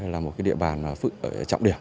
là một địa bàn trọng điểm